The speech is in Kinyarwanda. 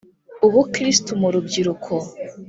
ubukristu mu rubyiruko :